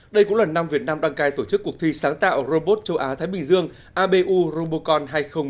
đây cũng là năm việt nam đăng cai tổ chức cuộc thi sáng tạo robot châu á thái bình dương abu robocon hai nghìn hai mươi